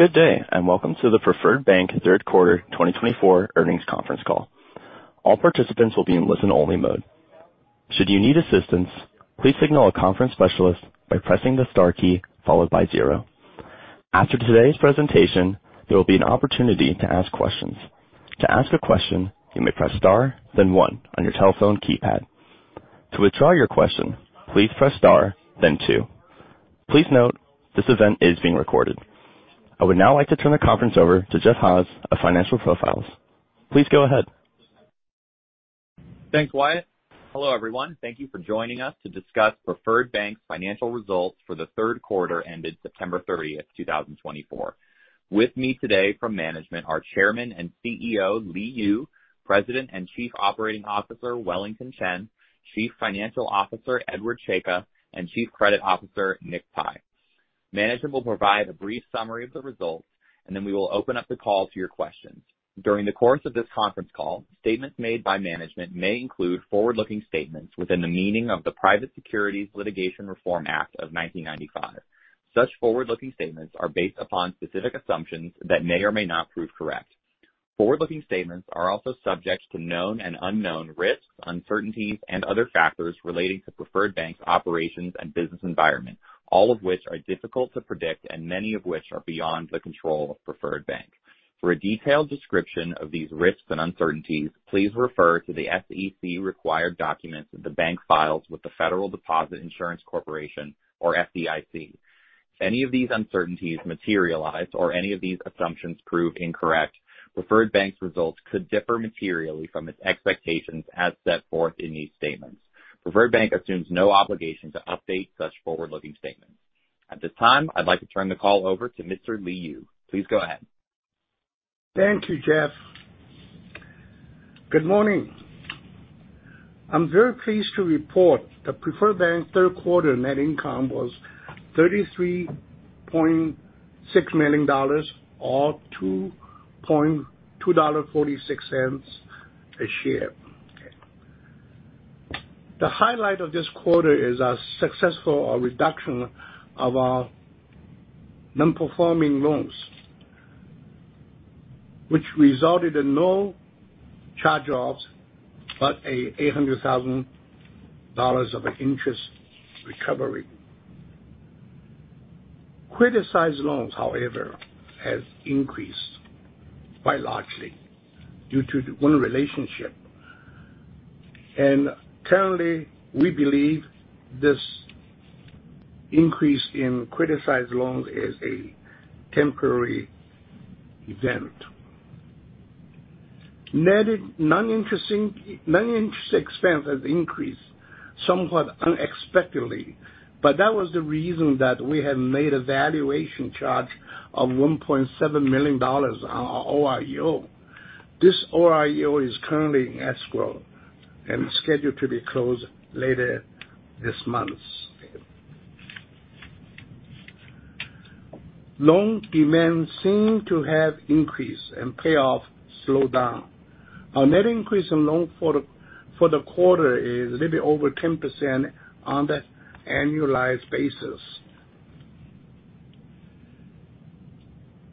Good day, and welcome to the Preferred Bank Third Quarter 2024 Earnings Conference Call. All participants will be in listen-only mode. Should you need assistance, please signal a conference specialist by pressing the star key followed by zero. After today's presentation, there will be an opportunity to ask questions. To ask a question, you may press star, then one on your telephone keypad. To withdraw your question, please press star, then two. Please note, this event is being recorded. I would now like to turn the conference over to Jeff Haas of Financial Profiles. Please go ahead. Thanks, Wyatt. Hello, everyone. Thank you for joining us to discuss Preferred Bank's financial results for the third quarter ended September 30th, 2024. With me today from management are Chairman and CEO, Li Yu, President and Chief Operating Officer, Wellington Chen, Chief Financial Officer, Edward Czajka, and Chief Credit Officer, Nick Pi. Management will provide a brief summary of the results, and then we will open up the call to your questions. During the course of this conference call, statements made by management may include forward-looking statements within the meaning of the Private Securities Litigation Reform Act of 1995. Such forward-looking statements are based upon specific assumptions that may or may not prove correct. Forward-looking statements are also subject to known and unknown risks, uncertainties, and other factors relating to Preferred Bank's operations and business environment, all of which are difficult to predict and many of which are beyond the control of Preferred Bank. For a detailed description of these risks and uncertainties, please refer to the SEC required documents that the bank files with the Federal Deposit Insurance Corporation, or FDIC. If any of these uncertainties materialize or any of these assumptions prove incorrect, Preferred Bank's results could differ materially from its expectations as set forth in these statements. Preferred Bank assumes no obligation to update such forward-looking statements. At this time, I'd like to turn the call over to Mr. Li Yu. Please go ahead. Thank you, Jeff. Good morning. I'm very pleased to report that Preferred Bank third quarter net income was $33.6 million, or $2.246 a share. The highlight of this quarter is a successful reduction of our nonperforming loans, which resulted in no charge-offs, but $800,000 of interest recovery. Criticized loans, however, has increased quite largely due to one relationship. And currently, we believe this increase in criticized loans is a temporary event. Net non-interest expense has increased somewhat unexpectedly, but that was the reason that we had made a valuation charge of $1.7 million on our OREO. This OREO is currently in escrow and scheduled to be closed later this month. Loan demand seem to have increased and payoff slowed down. Our net increase in loans for the quarter is a little bit over 10% on the annualized basis.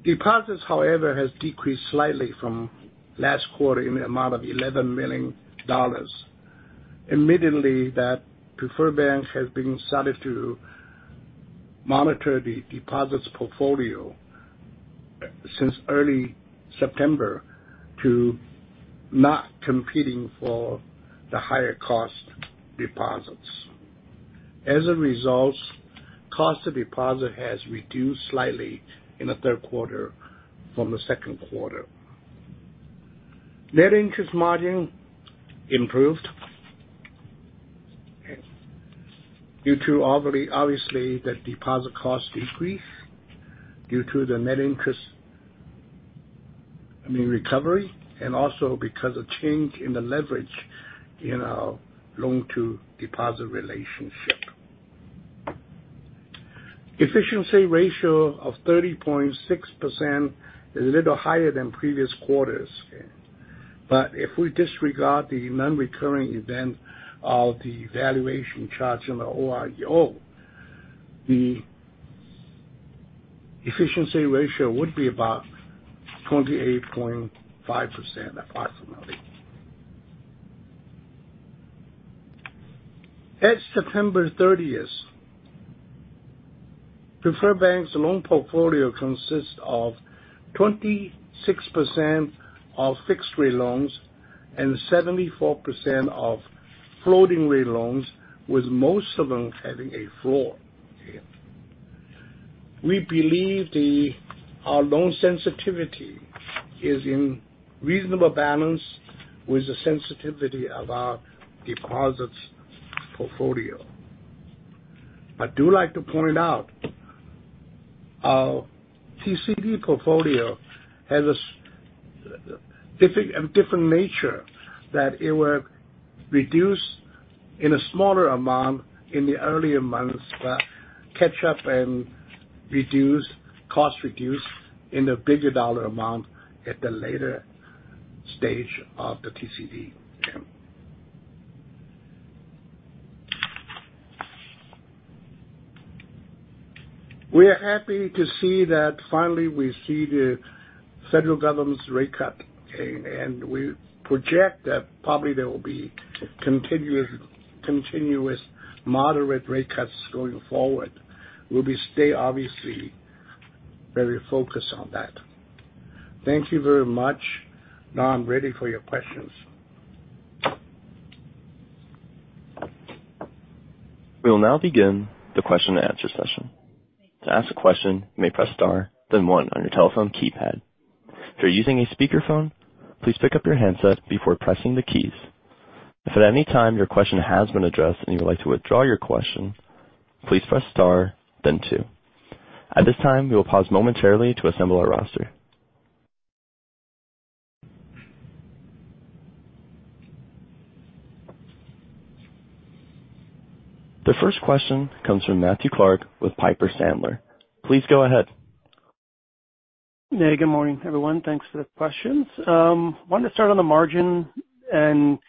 Deposits, however, has decreased slightly from last quarter in the amount of $11 million. Admittedly, that Preferred Bank has started to monitor the deposits portfolio since early September to not competing for the higher cost deposits. As a result, cost of deposit has reduced slightly in the third quarter from the second quarter. Net interest margin improved due to obviously, the deposit cost increase due to the net interest, I mean, recovery, and also because of change in the leverage in our loan to deposit relationship. Efficiency ratio of 30.6% is a little higher than previous quarters, but if we disregard the non-recurring event of the valuation charge on the OREO, the efficiency ratio would be about 28.5%, approximately. As of September 30th, Preferred Bank's loan portfolio consists of 26% fixed rate loans and 74% floating rate loans, with most of them having a floor. We believe our loan sensitivity is in reasonable balance with the sensitivity of our deposits portfolio. I do like to point out our TCD portfolio has a different nature, that it will reduce in a smaller amount in the earlier months, but catch up and reduce, cost reduce in a bigger dollar amount at the later stage of the TCD. We are happy to see that finally we see the federal government's rate cut, and we project that probably there will be continuous moderate rate cuts going forward. We'll stay, obviously, very focused on that. Thank you very much. Now I'm ready for your questions. We will now begin the question-and-answer session. To ask a question, you may press Star, then one on your telephone keypad. If you're using a speakerphone, please pick up your handset before pressing the keys. If at any time your question has been addressed and you would like to withdraw your question, please press Star then two. At this time, we will pause momentarily to assemble our roster. The first question comes from Matthew Clark with Piper Sandler. Please go ahead. Hey, good morning, everyone. Thanks for the questions. Wanted to start on the margin and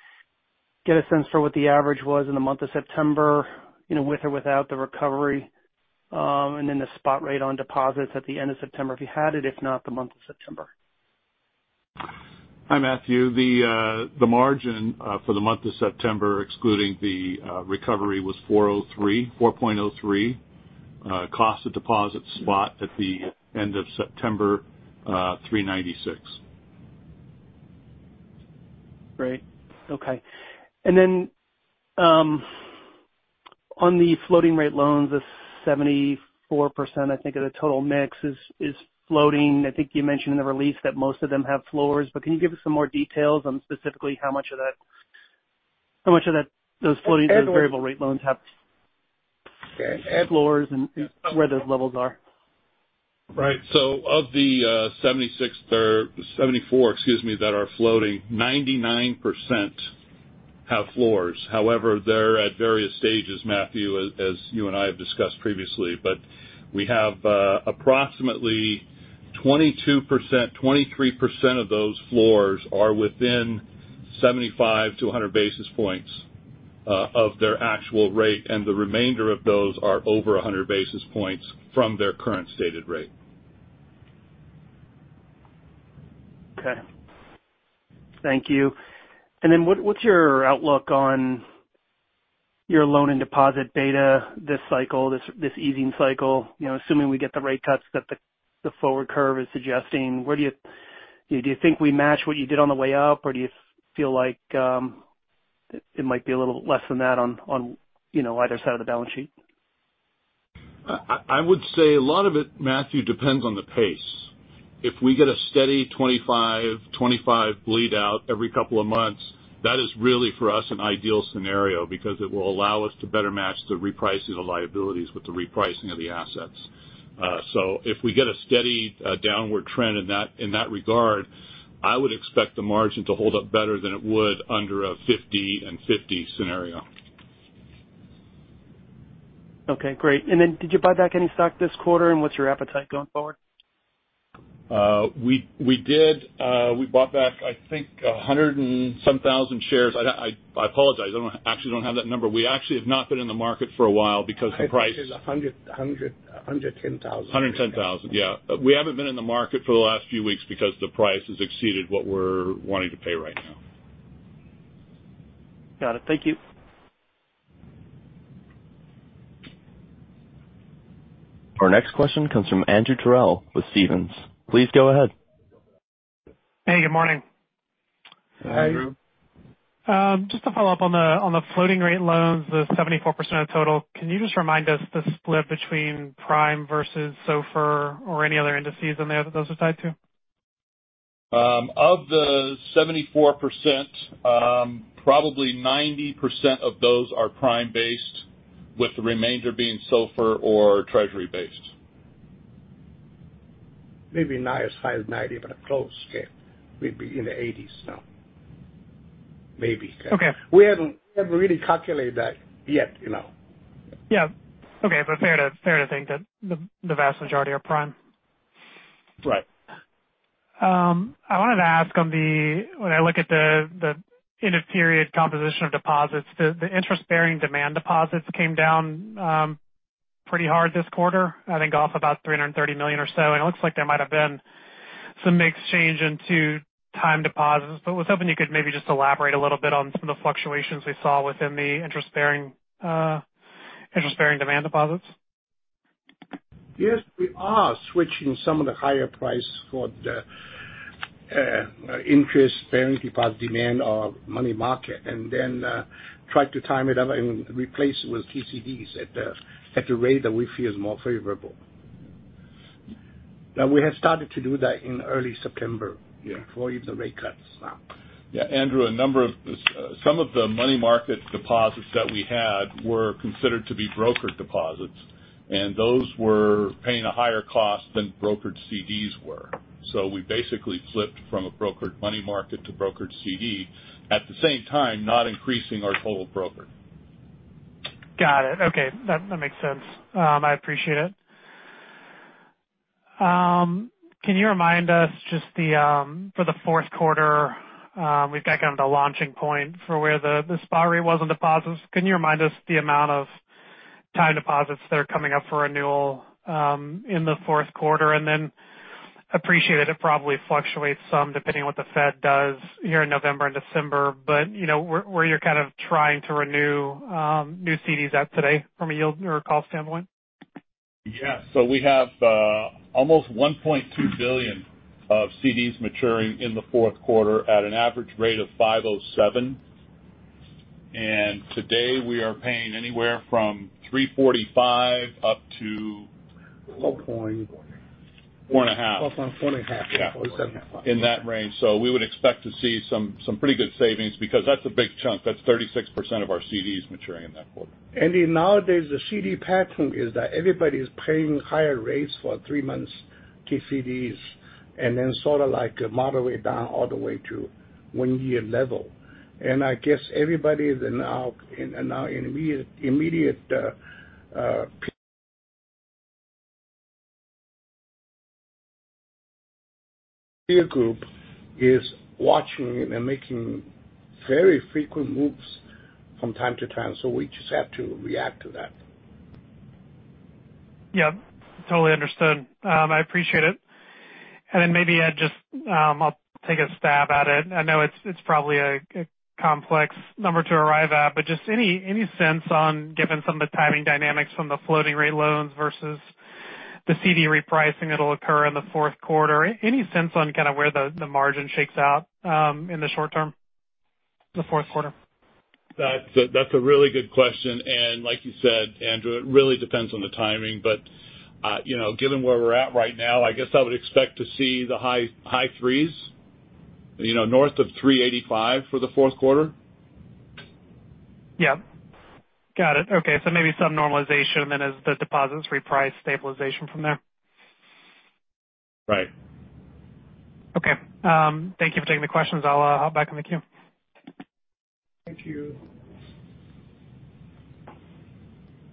get a sense for what the average was in the month of September, you know, with or without the recovery, and then the spot rate on deposits at the end of September, if you had it, if not, the month of September. Hi, Matthew. The margin for the month of September, excluding the recovery, was 4.03%. Cost of deposit spot at the end of September, 3.96%. Great. Okay. And then, on the floating rate loans, the 74%, I think, of the total mix is floating. I think you mentioned in the release that most of them have floors, but can you give us some more details on specifically how much of that those floating variable rate loans have floors and where those levels are? Right. So of the 76% or 74%, excuse me, that are floating, 99% have floors. However, they're at various stages, Matthew, as you and I have discussed previously. But we have approximately 22%, 23% of those floors are within 75-100 basis points of their actual rate, and the remainder of those are over 100 basis points from their current stated rate. Okay. Thank you. And then what, what's your outlook on your loan and deposit beta this cycle, this easing cycle? You know, assuming we get the rate cuts that the forward curve is suggesting, where do you think we match what you did on the way up, or do you feel like it might be a little less than that on, you know, either side of the balance sheet? I would say a lot of it, Matthew, depends on the pace. If we get a steady 25, 25 bleed out every couple of months, that is really, for us, an ideal scenario because it will allow us to better match the repricing of liabilities with the repricing of the assets. So if we get a steady downward trend in that, in that regard, I would expect the margin to hold up better than it would under a 50 and 50 scenario. Okay, great. And then did you buy back any stock this quarter, and what's your appetite going forward? We did. We bought back, I think, a hundred and some thousand shares. I apologize. I don't actually have that number. We actually have not been in the market for a while because the price- I think it's $110,000. $110,000. Yeah. We haven't been in the market for the last few weeks because the price has exceeded what we're wanting to pay right now. Got it. Thank you. Our next question comes from Andrew Terrell with Stephens. Please go ahead. Hey, good morning. Hi, Andrew. Just to follow up on the floating rate loans, the 74% of total, can you just remind us the split between prime versus SOFR or any other indices in there that those are tied to? Of the 74%, probably 90% of those are prime-based, with the remainder being SOFR or Treasury-based. Maybe not as high as 90%, but close, okay, maybe in the 80%s now. Maybe. Okay. We haven't really calculated that yet, you know. Yeah. Okay. But fair to think that the vast majority are prime. Right. I wanted to ask on the... When I look at the end-of-period composition of deposits, the interest-bearing demand deposits came down pretty hard this quarter. I think off about $330 million or so, and it looks like there might have been some mix change into time deposits. But I was hoping you could maybe just elaborate a little bit on some of the fluctuations we saw within the interest-bearing demand deposits. Yes, we are switching some of the higher price for the, interest-bearing deposit demand of money market, and then, try to time it up and replace it with TCDs at the, at the rate that we feel is more favorable. Now, we have started to do that in early September- Yeah. Before the rate cuts now. Yeah, Andrew, a number of some of the money market deposits that we had were considered to be brokered deposits, and those were paying a higher cost than brokered CDs were. So we basically flipped from a brokered money market to brokered CD at the same time, not increasing our total brokered. Got it. Okay. That makes sense. I appreciate it. Can you remind us just for the fourth quarter, we've got kind of the launching point for where the spot rate was on deposits. Can you remind us the amount of time deposits that are coming up for renewal in the fourth quarter? And I appreciate it, it probably fluctuates some depending on what the Fed does here in November and December. But you know, where you're kind of trying to renew new CDs at today from a yield or a cost standpoint? Yeah. So we have almost $1.2 billion of CDs maturing in the fourth quarter at an average rate of 5.07%. And today, we are paying anywhere from 3.45% up to- Four point- Four and a half. 4.4% and a half. Yeah, in that range. So we would expect to see some pretty good savings, because that's a big chunk. That's 36% of our CDs maturing in that quarter. And then nowadays, the CD pattern is that everybody is paying higher rates for three months to CDs, and then sort of like moderate down all the way to one year level. And I guess everybody is now in our immediate peer group is watching and making very frequent moves from time to time, so we just have to react to that. Yeah, totally understood. I appreciate it. And then maybe I'd just, I'll take a stab at it. I know it's probably a complex number to arrive at, but just any sense on, given some of the timing dynamics from the floating rate loans versus the CD repricing that'll occur in the fourth quarter, any sense on kind of where the margin shakes out, in the short term, the fourth quarter? That's a really good question, and like you said, Andrew, it really depends on the timing. But, you know, given where we're at right now, I guess I would expect to see the high threes, you know, north of three eighty-five for the fourth quarter. Yeah. Got it. Okay, so maybe some normalization, and then as the deposits reprice, stabilization from there? Right. Okay, thank you for taking the questions. I'll hop back on the queue. Thank you.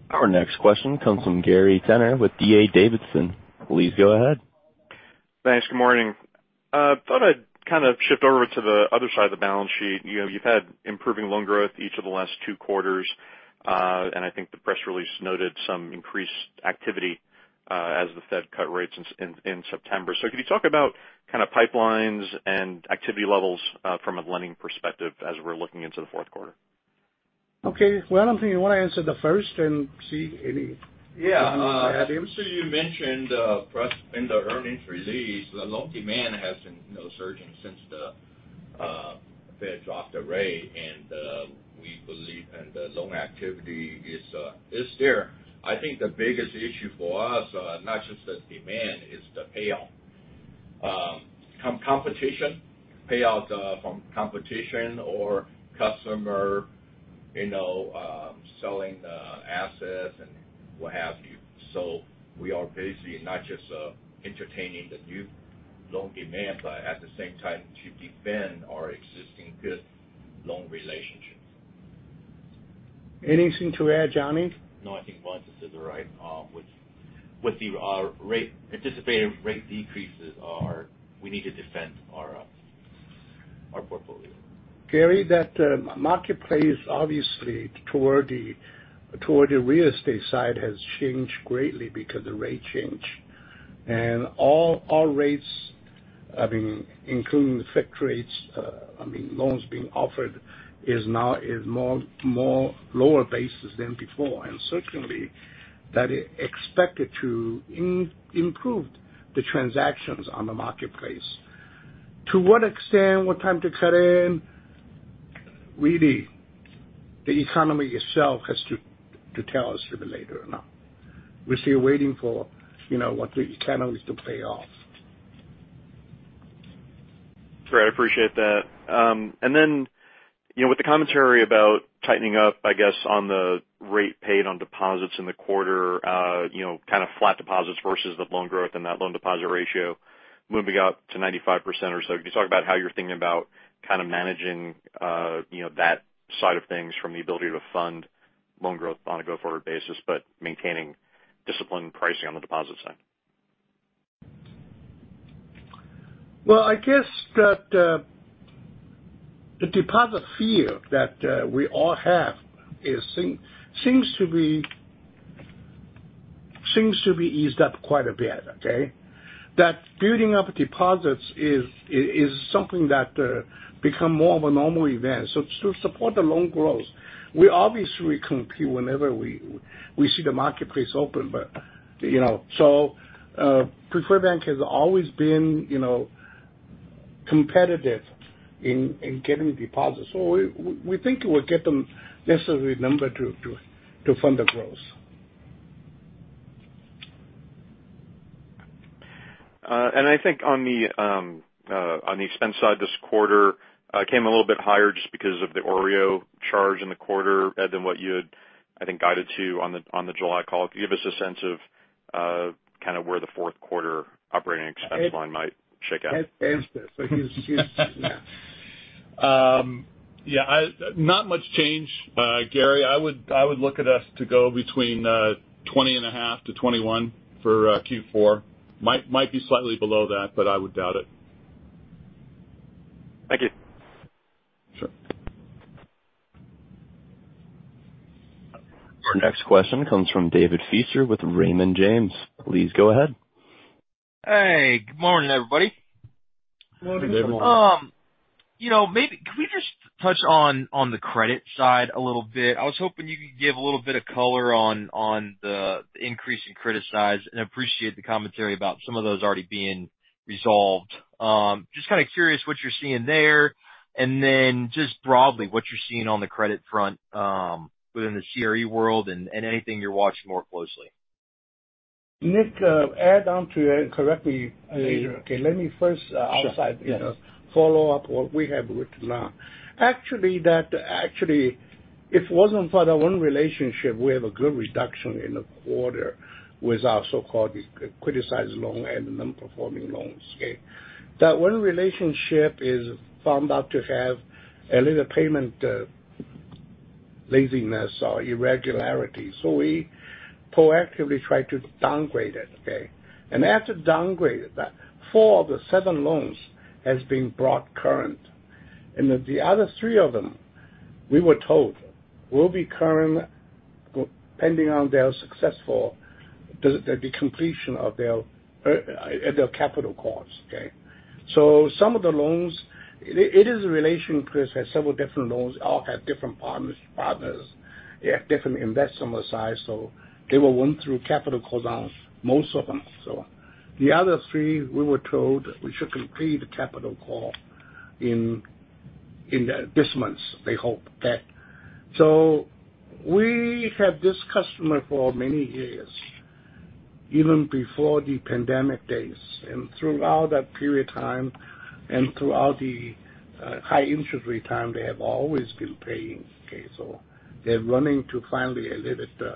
Our next question comes from Gary Tenner with D.A. Davidson. Please go ahead. Thanks. Good morning. Thought I'd kind of shift over to the other side of the balance sheet. You know, you've had improving loan growth each of the last two quarters. And I think the press release noted some increased activity as the Fed cut rates in September. So could you talk about kind of pipelines and activity levels from a lending perspective as we're looking into the fourth quarter? Okay. Well, I'm thinking, you want to answer the first and see any- Yeah. So you mentioned per the earnings release, the loan demand has been, you know, surging since the Fed dropped the rate, and we believe, and the loan activity is there. I think the biggest issue for us, not just the demand, is the payoff. Competition, payoff from competition or customer, you know, selling the assets and what have you. So we are basically not just entertaining the new loan demand, but at the same time, to defend our existing good loan relationships. Anything to add, Johnny? No, I think Vincent said it right. With the anticipated rate decreases, we need to defend our portfolio. Gary, that marketplace, obviously, toward the real estate side has changed greatly because the rate change. And all our rates, I mean, including the fixed rates, I mean, loans being offered is now more lower basis than before. And certainly, that is expected to improve the transactions on the marketplace. To what extent, what time to cut in, really, the economy itself has to tell us if later or not. We're still waiting for, you know, what the economy to pay off. Great, I appreciate that. And then, you know, with the commentary about tightening up, I guess, on the rate paid on deposits in the quarter, you know, kind of flat deposits versus the loan growth and that loan deposit ratio moving up to 95% or so, could you talk about how you're thinking about kind of managing, you know, that side of things from the ability to fund loan growth on a go-forward basis, but maintaining discipline pricing on the deposit side? I guess that the deposit fear that we all have seems to be eased up quite a bit, okay? That building up deposits is something that become more of a normal event. So to support the loan growth, we obviously compete whenever we see the marketplace open. But, you know, so Preferred Bank has always been, you know, competitive in getting deposits. So we think we'll get the necessary number to fund the growth. I think on the expense side this quarter came a little bit higher just because of the OREO charge in the quarter than what you had, I think, guided to on the July call. Could you give us a sense of kind of where the fourth quarter operating expense line might shake out? Ask that. Yeah, not much change, Gary. I would look at us to go between 20.5%-21% for Q4. Might be slightly below that, but I would doubt it. Thank you. Sure. Our next question comes from David Feaster with Raymond James. Please go ahead. Hey, good morning, everybody. Good morning. You know, maybe could we just touch on the credit side a little bit? I was hoping you could give a little bit of color on the increase in criticized, and appreciate the commentary about some of those already being resolved. Just kind of curious what you're seeing there, and then just broadly, what you're seeing on the credit front, within the CRE world and anything you're watching more closely. Nick, add on to it and correct me later. Okay, let me first, follow up what we have written down. Actually, if it wasn't for the one relationship, we have a good reduction in the quarter with our so-called criticized loan and nonperforming loans, okay? That one relationship is found out to have a little payment, laziness or irregularity, so we proactively tried to downgrade it, okay? After downgrading that, four of the seven loans has been brought current. The other three of them, we were told, will be current, depending on their successful, the completion of their, their capital costs, okay? Some of the loans, it is a relationship with several different loans, all have different partners. They have different investment size, so they were going through capital call downs, most of them. So the other three, we were told we should complete the capital call in this month, they hope. Okay. So we had this customer for many years, even before the pandemic days. And throughout that period of time and throughout the high interest rate time, they have always been paying, okay? So they're running to finally a little bit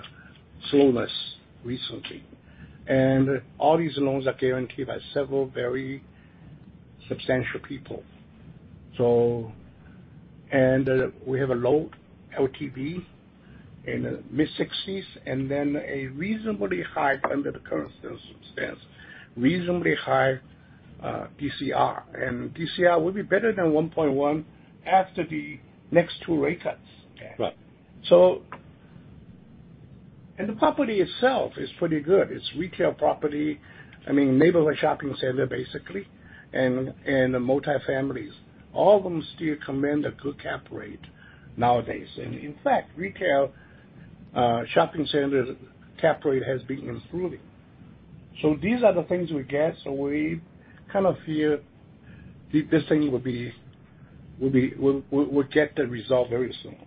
slowness recently. And all these loans are guaranteed by several very substantial people. So, and we have a low LTV in the mid-sixties, and then a reasonably high, under the current circumstance, reasonably high DCR. And DCR will be better than one point one after the next two rate cuts. Right. And the property itself is pretty good. It's retail property, I mean, neighborhood shopping center, basically, and multifamilies. All of them still command a good cap rate nowadays. In fact, retail shopping center cap rate has been improving. So these are the things we get, so we kind of feel this thing will be. We'll get the result very soon.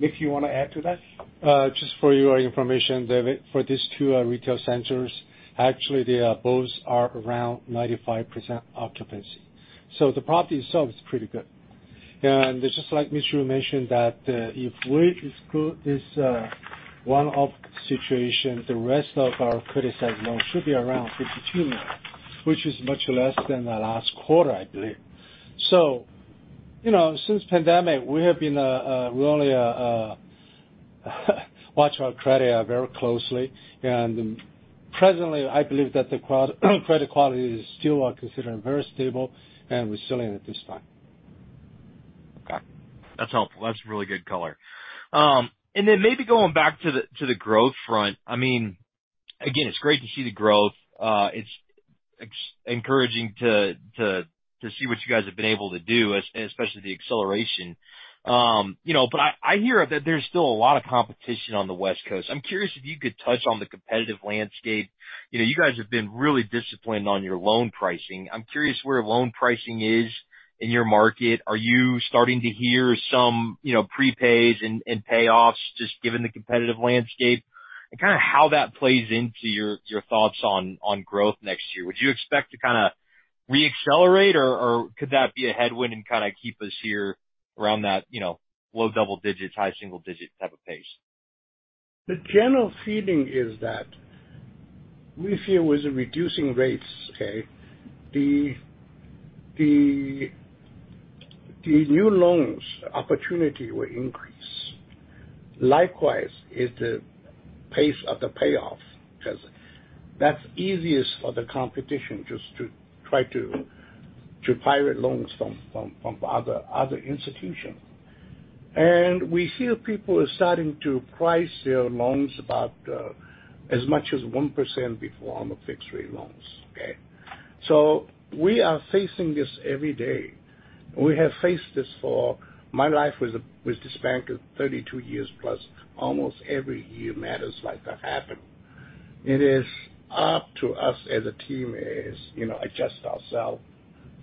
Nick, you want to add to that? Just for your information, David, for these two retail centers, actually, they both are around 95% occupancy. So the property itself is pretty good. And just like Mr. Yu mentioned, that if we exclude this one-off situation, the rest of our criticized loans should be around $52 million, which is much less than the last quarter, I believe. So, you know, since pandemic, we only watch our credit very closely. And presently, I believe that the credit quality is still considered very stable and we're selling it this time. Okay. That's helpful. That's really good color. And then maybe going back to the growth front. I mean, again, it's great to see the growth. It's encouraging to see what you guys have been able to do, especially the acceleration. You know, but I hear that there's still a lot of competition on the West Coast. I'm curious if you could touch on the competitive landscape. You know, you guys have been really disciplined on your loan pricing. I'm curious where loan pricing is in your market. Are you starting to hear some prepays and payoffs, just given the competitive landscape? And kind of how that plays into your thoughts on growth next year. Would you expect to kind of reaccelerate, or, or could that be a headwind and kind of keep us here around that, you know, low double digits, high single digit type of pace? The general feeling is that we feel with the reducing rates, the new loans opportunity will increase. Likewise, is the pace of the payoff, because that's easiest for the competition, just to try to pirate loans from other institutions. And we hear people are starting to price their loans about as much as 1% before on the fixed rate loans. So we are facing this every day. We have faced this for my life with this bank is thirty-two years plus, almost every year, matters like that happen. It is up to us as a team is, you know, adjust ourselves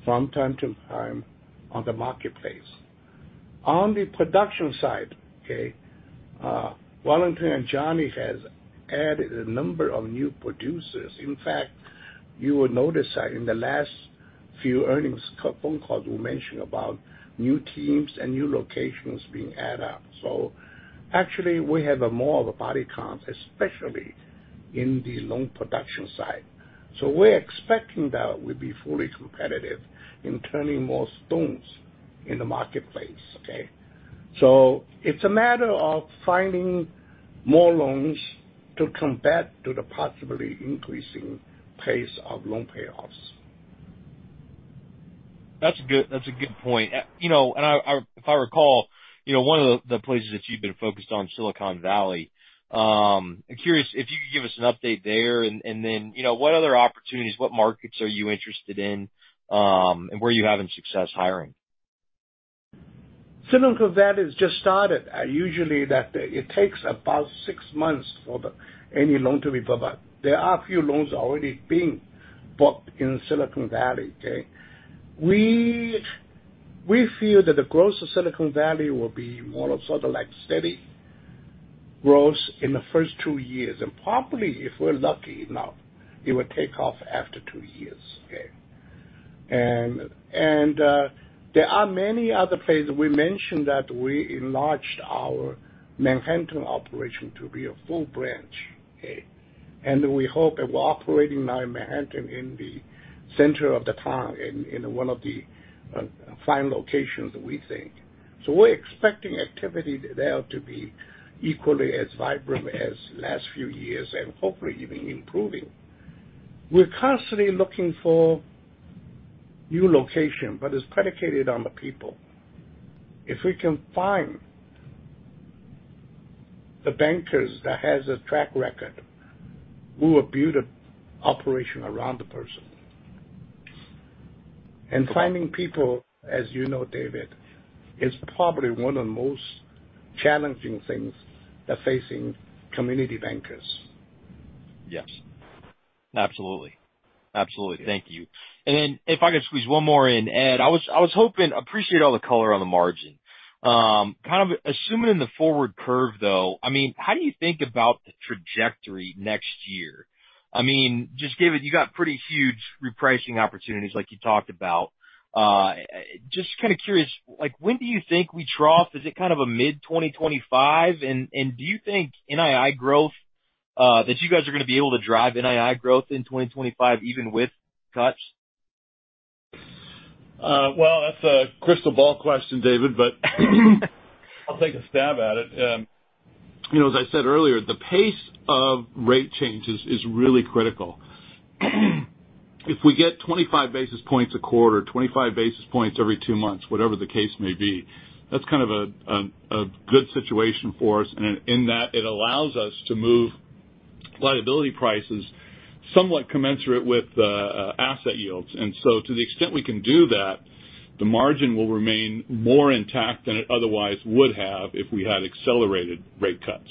from time to time on the marketplace. On the production side, Wellington and Johnny has added a number of new producers. In fact, you will notice that in the last few earnings conference calls, we mentioned about new teams and new locations being added up. So actually, we have more of a body count, especially in the loan production side. So we're expecting that we'll be fully competitive in turning more stones in the marketplace, okay? So it's a matter of finding more loans to combat the possibly increasing pace of loan payoffs. That's a good, that's a good point. You know, and I if I recall, you know, one of the places that you've been focused on, Silicon Valley. I'm curious if you could give us an update there, and then, you know, what other opportunities, what markets are you interested in, and where are you having success hiring? Silicon Valley has just started. Usually, it takes about six months for any loan to be bought, but there are a few loans already being bought in Silicon Valley, okay? We feel that the growth of Silicon Valley will be more of sort of like steady growth in the first two years, and probably, if we're lucky enough, it will take off after two years, okay? There are many other places. We mentioned that we enlarged our Manhattan operation to be a full branch, okay? We hope that we're operating now in Manhattan, in the center of the town, in one of the fine locations, we think. We're expecting activity there to be equally as vibrant as last few years and hopefully even improving. We're constantly looking for new location, but it's predicated on the people. If we can find the bankers that has a track record, we will build an operation around the person, and finding people, as you know, David, is probably one of the most challenging things that facing community bankers. Yes, absolutely. Absolutely. Thank you. And then if I could squeeze one more in, Ed, I was hoping... appreciate all the color on the margin. Kind of assuming the forward curve, though, I mean, how do you think about the trajectory next year? I mean, just given you got pretty huge repricing opportunities like you talked about. Just kind of curious, like, when do you think we trough? Is it kind of a mid-2025? And do you think NII growth, that you guys are going to be able to drive NII growth in 2025 even with cuts? Well, that's a crystal ball question, David, but I'll take a stab at it. You know, as I said earlier, the pace of rate changes is really critical. If we get 25 basis points a quarter, 25 basis points every two months, whatever the case may be, that's kind of a good situation for us. And in that, it allows us to move liability prices somewhat commensurate with asset yields. And so to the extent we can do that, the margin will remain more intact than it otherwise would have if we had accelerated rate cuts.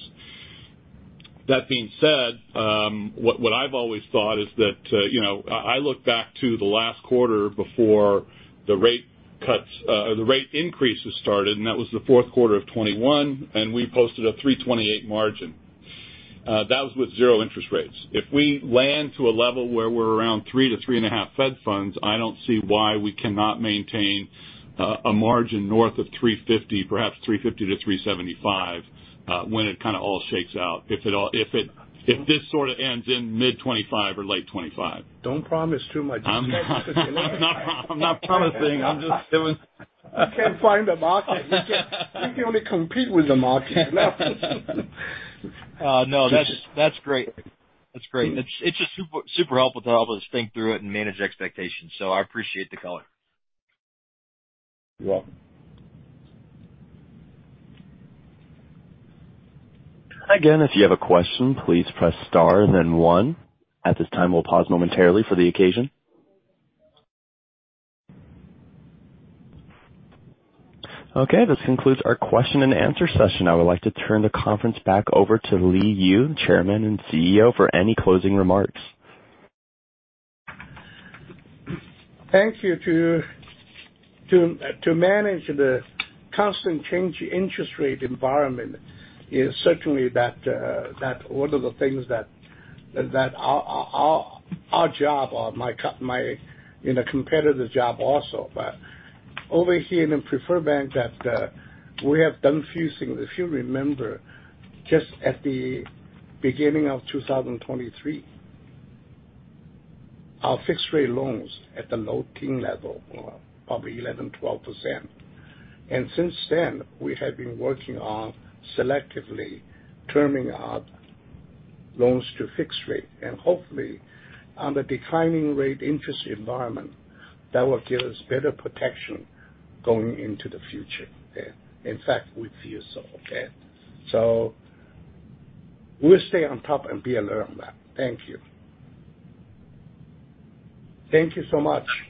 That being said, what I've always thought is that, you know, I look back to the last quarter before the rate cuts, the rate increases started, and that was the fourth quarter of 2021, and we posted a 3.28 margin. That was with zero interest rates. If we land to a level where we're around three to three and a half Fed funds, I don't see why we cannot maintain a margin north of three fifty, perhaps three fifty to three seventy-five, when it kind of all shakes out. If this sort of ends in mid-2025 or late 2025. Don't promise too much. I'm not, I'm not promising. I'm just giving- You can't find the market. You can only compete with the market. No, that's, that's great. That's great. It's, it's just super, super helpful to help us think through it and manage expectations, so I appreciate the color. You're welcome. Again, if you have a question, please press star then one. At this time, we'll pause momentarily for questions. Okay, this concludes our question and answer session. I would like to turn the conference back over to Li Yu, Chairman and CEO, for any closing remarks. Thank you. To manage the constantly changing interest rate environment is certainly one of the things that our job or my, you know, competitor's job also. But over here in Preferred Bank, we have done a few things. If you remember, just at the beginning of 2023, our fixed-rate loans at the low teens level were probably 11%-12%. And since then, we have been working on selectively turning our loans to fixed rate and hopefully in the declining interest rate environment, that will give us better protection going into the future. Okay. In fact, we feel so. Okay, so we'll stay on top and be alert on that. Thank you. Thank you so much.